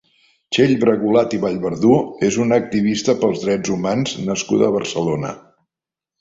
Txell Bragulat i Vallverdú és una activista pels drets humans nascuda a Barcelona.